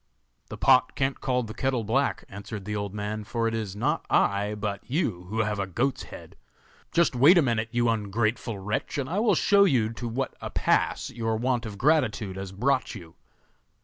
'The pot can't call the kettle black,' answered the old man, 'for it is not I, but you who have a goat's head. Just wait a moment, you ungrateful wretch, and I will show you to what a pass your want of gratitude has brought you.